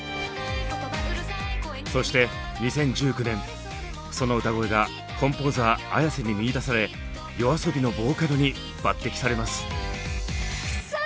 そして２０１９年その歌声がコンポーザーＡｙａｓｅに見いだされＹＯＡＳＯＢＩのボーカルに抜てきされます。